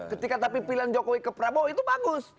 ketika tapi pilihan jokowi ke prabowo itu bagus